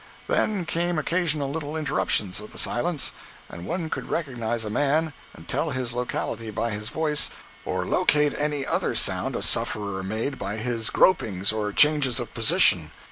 Then came occasional little interruptions of the silence, and one could recognize a man and tell his locality by his voice, or locate any other sound a sufferer made by his gropings or changes of position.